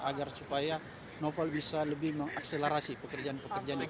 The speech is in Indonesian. agar supaya novel bisa lebih mengakselerasi pekerjaan pekerjaan itu